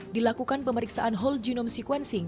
dilakukan pemeriksaan whole genome sequencing